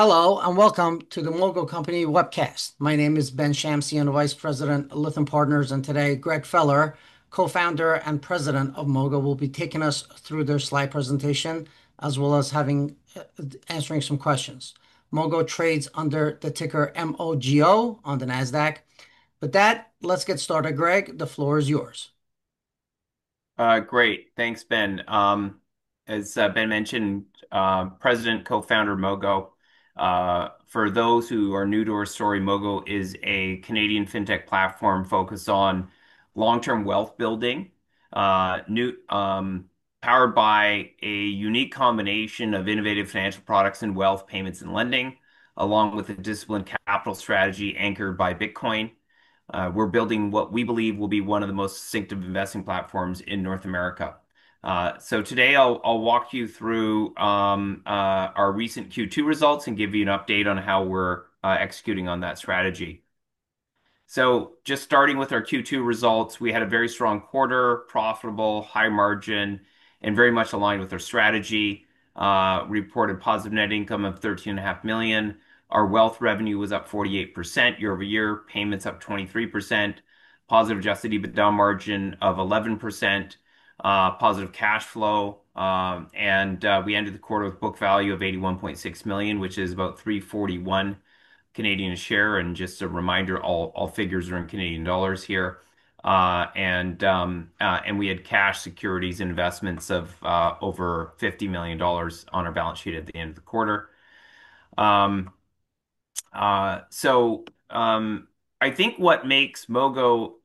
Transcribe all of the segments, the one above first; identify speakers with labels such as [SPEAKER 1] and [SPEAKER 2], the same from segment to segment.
[SPEAKER 1] Hello and welcome to the Mogo Company webcast. My name is Ben Shamsian, I'm the Vice President of Lytham Partners, and today Greg Feller, Co-Founder and President of Mogo, will be taking us through their slide presentation, as well as answering some questions. Mogo trades under the ticker MOGO on the NASDAQ. With that, let's get started. Greg, the floor is yours.
[SPEAKER 2] Great, thanks Ben. As Ben mentioned, President and Co-Founder of Mogo. For those who are new to our story, Mogo is a Canadian fintech platform focused on long-term wealth building, powered by a unique combination of innovative financial products and wealth, payments, and lending, along with a disciplined capital strategy anchored by Bitcoin. We're building what we believe will be one of the most distinctive investing platforms in North America. Today I'll walk you through our recent Q2 results and give you an update on how we're executing on that strategy. Just starting with our Q2 results, we had a very strong quarter, profitable, high margin, and very much aligned with our strategy. We reported positive net income of 13.5 million. Our wealth revenue was up 48% year-over-year, payments up 23%, positive adjusted EBITDA margin of 11%, positive cash flow, and we ended the quarter with a book value of 81.6 million, which is about 3.41 a share. Just a reminder, all figures are in Canadian dollars here. We had cash, securities, and investments of over 50 million dollars on our balance sheet at the end of the quarter. I think what makes Mogo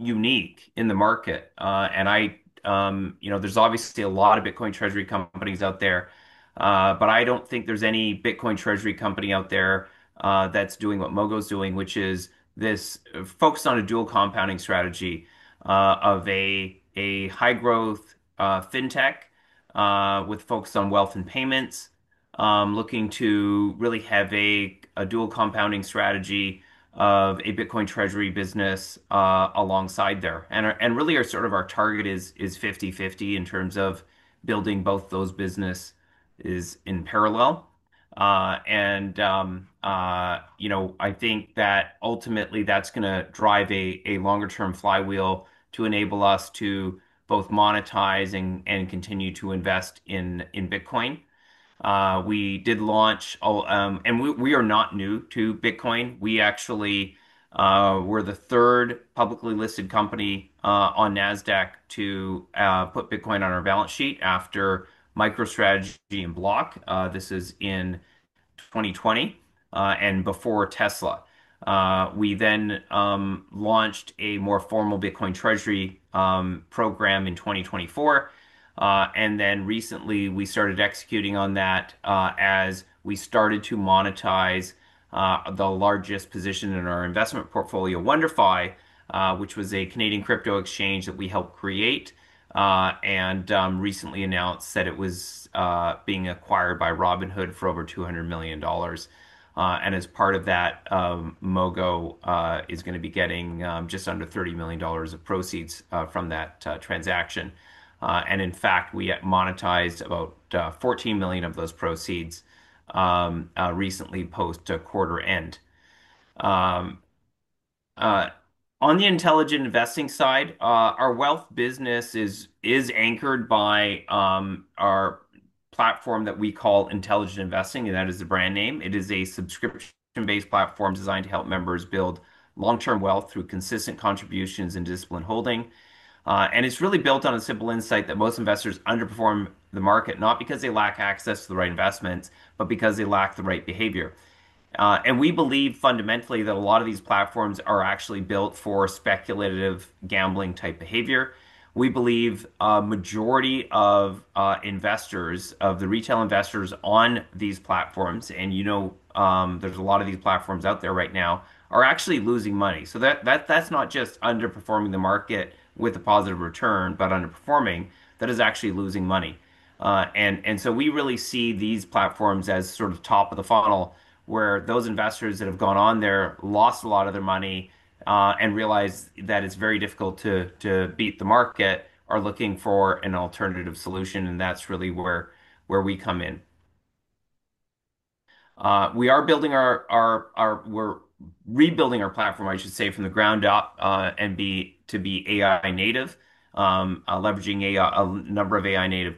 [SPEAKER 2] unique in the market, and there's obviously a lot of Bitcoin treasury companies out there, but I don't think there's any Bitcoin treasury company out there that's doing what Mogo's doing, which is this focus on a dual compounding strategy of a high-growth fintech with focus on wealth and payments, looking to really have a dual compounding strategy of a Bitcoin treasury business alongside there. Our target is 50/50 in terms of building both those businesses in parallel. I think that ultimately that's going to drive a longer-term flywheel to enable us to both monetize and continue to invest in Bitcoin. We did launch, and we are not new to Bitcoin. We actually were the third publicly listed company on NASDAQ to put Bitcoin on our balance sheet after MicroStrategy and Block. This is in 2020 and before Tesla. We then launched a more formal Bitcoin treasury program in 2024. Recently we started executing on that as we started to monetize the largest position in our investment portfolio, WonderFi, which was a Canadian crypto exchange that we helped create and recently announced that it was being acquired by Robinhood for over 200 million dollars. As part of that, Mogo is going to be getting just under 30 million dollars of proceeds from that transaction. In fact, we monetized about 14 million of those proceeds recently post-quarter end. On the Intelligent Investing side, our wealth business is anchored by our platform that we call Intelligent Investing, and that is the brand name. It is a subscription-based platform designed to help members build long-term wealth through consistent contributions and disciplined holding. It is really built on a simple insight that most investors underperform the market not because they lack access to the right investments, but because they lack the right behavior. We believe fundamentally that a lot of these platforms are actually built for speculative gambling type behavior. We believe a majority of investors, of the retail investors on these platforms, and you know there are a lot of these platforms out there right now, are actually losing money. That is not just underperforming the market with a positive return, but underperforming, that is actually losing money. We really see these platforms as sort of top of the funnel where those investors that have gone on there, lost a lot of their money and realized that it is very difficult to beat the market, are looking for an alternative solution. That is really where we come in. We are rebuilding our platform, I should say, from the ground up to be AI native, leveraging a number of AI native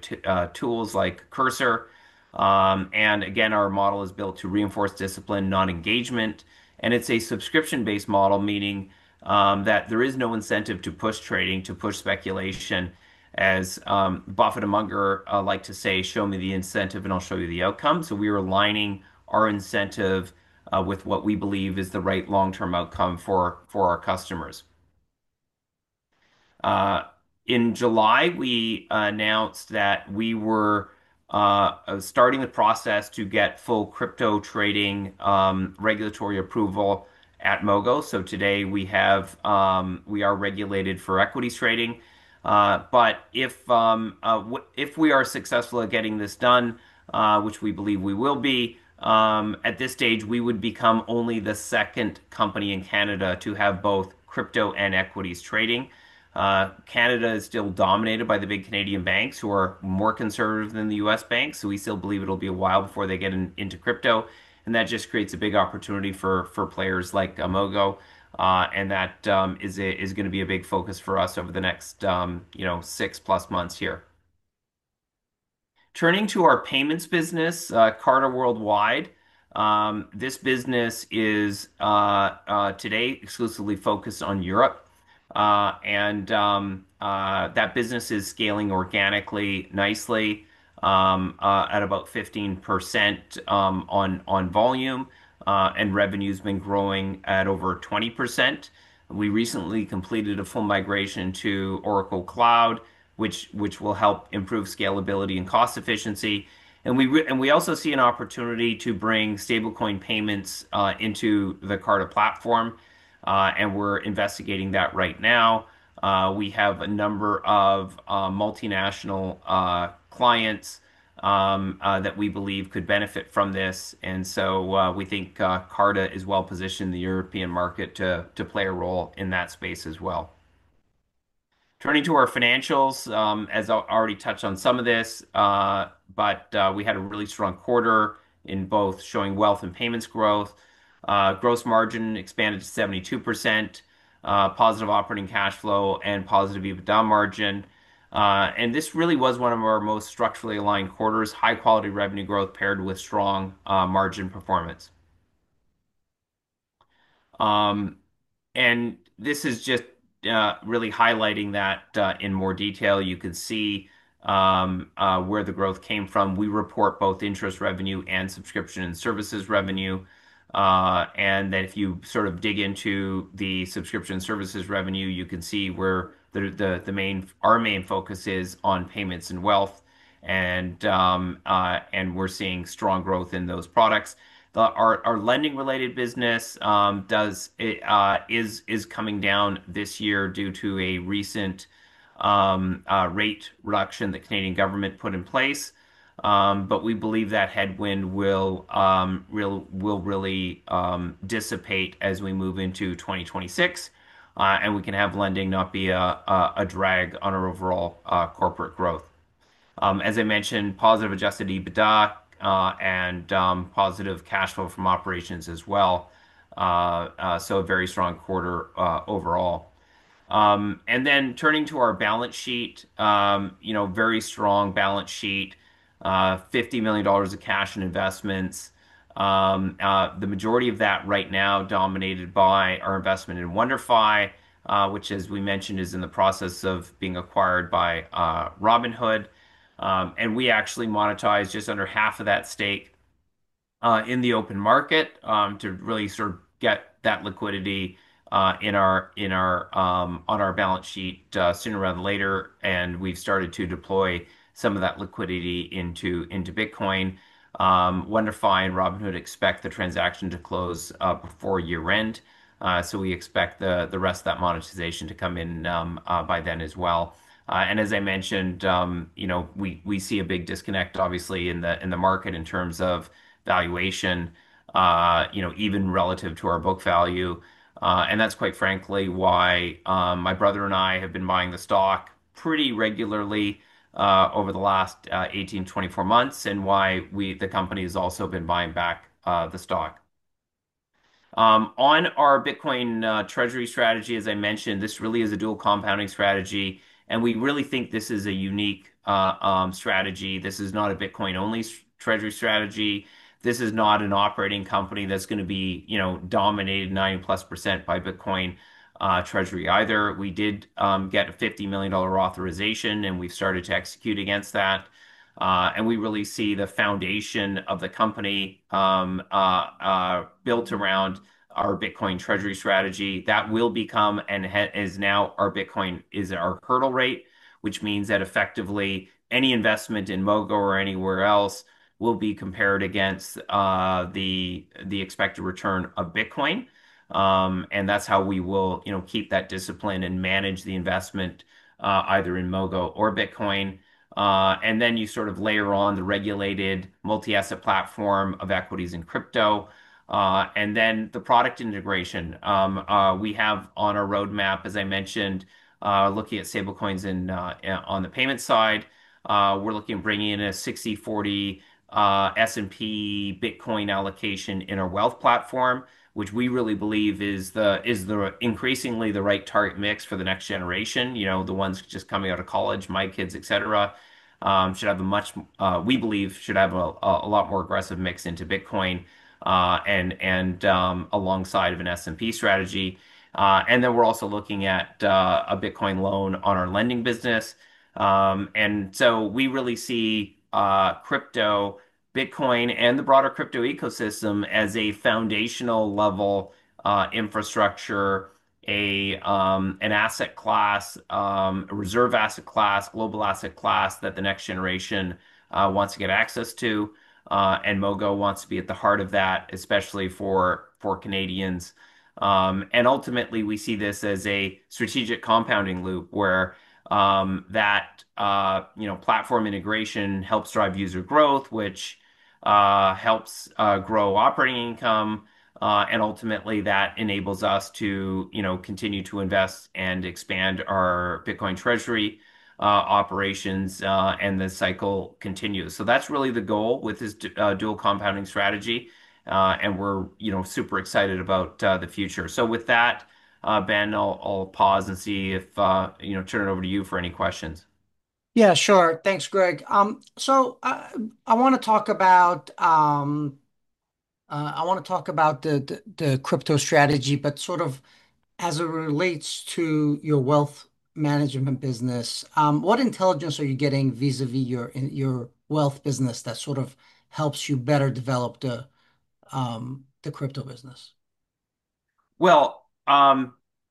[SPEAKER 2] tools like Cursor. Again, our model is built to reinforce discipline, not engagement. It is a subscription-based model, meaning that there is no incentive to push trading, to push speculation. As Buffett and Munger like to say, "Show me the incentive and I'll show you the outcome." We are aligning our incentive with what we believe is the right long-term outcome for our customers. In July, we announced that we were starting the process to get full crypto trading regulatory approval at Mogo. Today we are regulated for equities trading. If we are successful at getting this done, which we believe we will be at this stage, we would become only the second company in Canada to have both crypto and equities trading. Canada is still dominated by the big Canadian banks who are more conservative than the U.S. banks. We still believe it will be a while before they get into crypto. That just creates a big opportunity for players like Mogo. That is going to be a big focus for us over the next six plus months here. Turning to our payments business, Carta Worldwide, this business is today exclusively focused on Europe. That business is scaling organically nicely at about 15% on volume, and revenue has been growing at over 20%. We recently completed a full migration to Oracle Cloud, which will help improve scalability and cost efficiency. We also see an opportunity to bring stablecoin payments into the Carta platform, and we're investigating that right now. We have a number of multinational clients that we believe could benefit from this. We think Carta is well positioned in the European market to play a role in that space as well. Turning to our financials, as I already touched on some of this, we had a really strong quarter in both showing wealth and payments growth. Gross margin expanded to 72%, positive operating cash flow, and positive EBITDA margin. This really was one of our most structurally aligned quarters, high quality revenue growth paired with strong margin performance. This is just really highlighting that in more detail, you can see where the growth came from. We report both interest revenue and subscription and services revenue. If you sort of dig into the subscription and services revenue, you can see where our main focus is on payments and wealth. We're seeing strong growth in those products. Our lending related business is coming down this year due to a recent rate reduction the Canadian government put in place. We believe that headwind will really dissipate as we move into 2026, and we can have lending not be a drag on our overall corporate growth. As I mentioned, positive adjusted EBITDA and positive cash flow from operations as well. A very strong quarter overall. Turning to our balance sheet, very strong balance sheet, 50 million dollars of cash and investments. The majority of that right now dominated by our investment in WonderFi, which as we mentioned is in the process of being acquired by Robinhood. We actually monetized just under half of that stake in the open market to really sort of get that liquidity on our balance sheet sooner rather than later. We've started to deploy some of that liquidity into Bitcoin. WonderFi and Robinhood expect the transaction to close before year end. We expect the rest of that monetization to come in by then as well. As I mentioned, we see a big disconnect obviously in the market in terms of valuation, even relative to our book value. That's quite frankly why my brother and I have been buying the stock pretty regularly over the last 18 to 24 months and why the company has also been buying back the stock. On our Bitcoin treasury strategy, as I mentioned, this really is a dual compounding strategy. We really think this is a unique strategy. This is not a Bitcoin only treasury strategy. This is not an operating company that's going to be dominated 90%+ by Bitcoin treasury either. We did get a 50 million dollar authorization and we've started to execute against that. We really see the foundation of the company built around our Bitcoin treasury strategy. That will become and is now our Bitcoin is our hurdle rate, which means that effectively any investment in Mogo or anywhere else will be compared against the expected return of Bitcoin. That's how we will keep that discipline and manage the investment either in Mogo or Bitcoin. You sort of layer on the regulated multi-asset platform of equities and crypto, and then the product integration we have on our roadmap, as I mentioned, looking at stablecoins on the payment side. We're looking at bringing in a 60/40 S&P Bitcoin allocation in our wealth platform, which we really believe is increasingly the right target mix for the next generation. The ones just coming out of college, my kids, et cetera, should have a much, we believe, should have a lot more aggressive mix into Bitcoin and alongside of an S&P strategy. We're also looking at a Bitcoin loan on our lending business. We really see crypto, Bitcoin, and the broader crypto ecosystem as a foundational level infrastructure, an asset class, a reserve asset class, global asset class that the next generation wants to get access to. Mogo wants to be at the heart of that, especially for Canadians. Ultimately, we see this as a strategic compounding loop where that platform integration helps drive user growth, which helps grow operating income. Ultimately, that enables us to continue to invest and expand our Bitcoin treasury operations and the cycle continues. That's really the goal with this dual compounding strategy. We're super excited about the future. With that, Ben, I'll pause and see if, you know, turn it over to you for any questions.
[SPEAKER 1] Thanks, Greg. I want to talk about the crypto strategy as it relates to your wealth management business. What intelligence are you getting vis-à-vis your wealth business that helps you better develop the crypto business?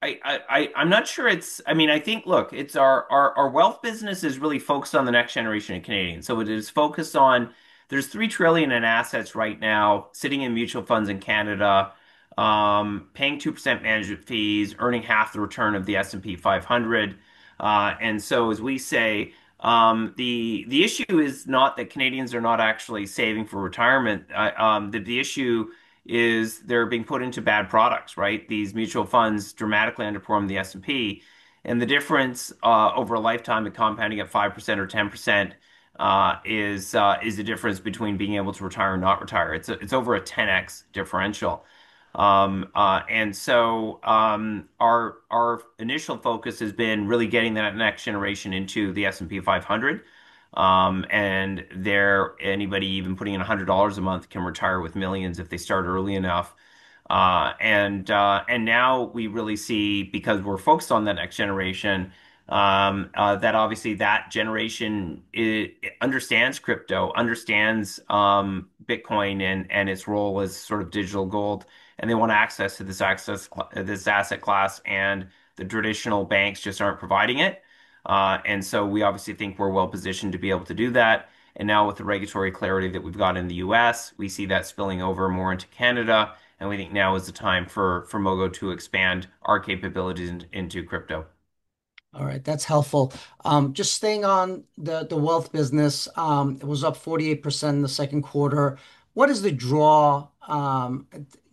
[SPEAKER 2] I think, look, our wealth business is really focused on the next generation of Canadians. It is focused on, there's 3 trillion in assets right now sitting in mutual funds in Canada, paying 2% management fees, earning half the return of the S&P 500. As we say, the issue is not that Canadians are not actually saving for retirement. The issue is they're being put into bad products, right? These mutual funds dramatically underperform the S&P. The difference over a lifetime of compounding at 5% or 10% is the difference between being able to retire and not retire. It's over a 10x differential. Our initial focus has been really getting that next generation into the S&P 500. Anybody even putting in 100 dollars a month can retire with millions if they start early enough. Now we really see, because we're focused on that next generation, that obviously that generation understands crypto, understands Bitcoin and its role as sort of digital gold. They want access to this asset class, and the traditional banks just aren't providing it. We obviously think we're well positioned to be able to do that. Now with the regulatory clarity that we've got in the U.S., we see that spilling over more into Canada. We think now is the time for Mogo to expand our capabilities into crypto.
[SPEAKER 1] All right, that's helpful. Just staying on the wealth business, it was up 48% in the second quarter. What is the draw, you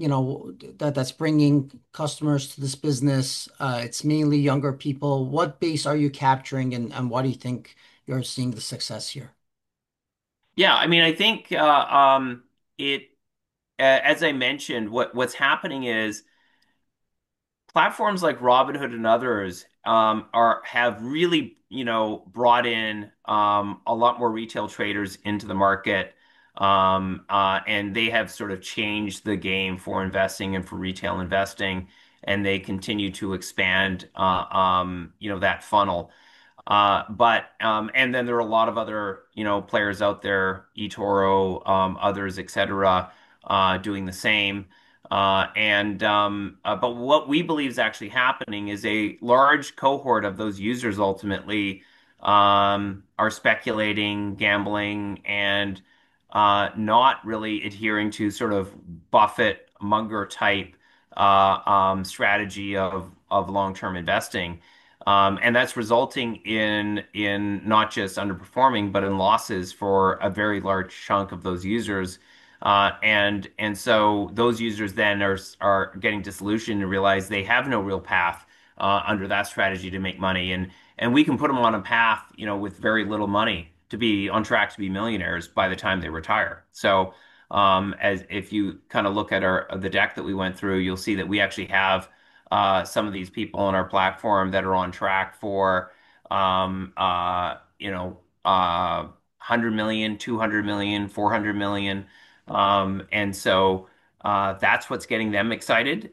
[SPEAKER 1] know, that's bringing customers to this business? It's mainly younger people. What base are you capturing and why do you think you're seeing the success here?
[SPEAKER 2] Yeah, I mean, I think, as I mentioned, what's happening is platforms like Robinhood and others have really brought in a lot more retail traders into the market. They have sort of changed the game for investing and for retail investing, and they continue to expand that funnel. There are a lot of other players out there, eToro, others, et cetera, doing the same. What we believe is actually happening is a large cohort of those users ultimately are speculating, gambling, and not really adhering to sort of Buffett Munger type strategy of long-term investing. That's resulting in not just underperforming, but in losses for a very large chunk of those users. Those users then are getting disillusioned and realize they have no real path under that strategy to make money. We can put them on a path with very little money to be on track to be millionaires by the time they retire. If you kind of look at the deck that we went through, you'll see that we actually have some of these people on our platform that are on track for 100 million, 200 million, 400 million. That's what's getting them excited.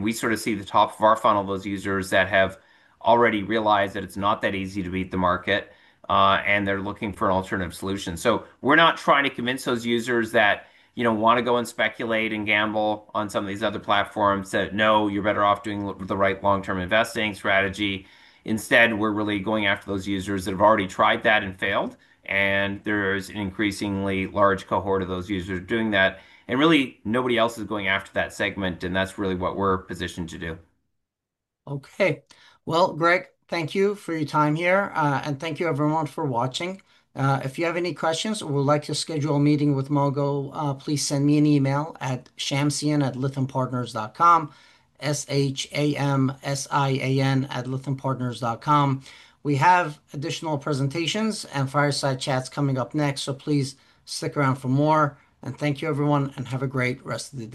[SPEAKER 2] We sort of see the top of our funnel, those users that have already realized that it's not that easy to beat the market, and they're looking for an alternative solution. We're not trying to convince those users that want to go and speculate and gamble on some of these other platforms that, no, you're better off doing the right long-term investing strategy. Instead, we're really going after those users that have already tried that and failed. There's an increasingly large cohort of those users doing that, and really, nobody else is going after that segment. That's really what we're positioned to do.
[SPEAKER 1] Okay. Greg, thank you for your time here. Thank you everyone for watching. If you have any questions or would like to schedule a meeting with Mogo, please send me an email at shamsian@lythampartners.com. S-H-A-M-S-I-A-N at lythampartners.com. We have additional presentations and fireside chats coming up next, so please stick around for more. Thank you everyone and have a great rest of the day.